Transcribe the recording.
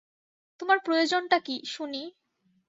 তোমার প্রয়োজনটা কী, শুনি।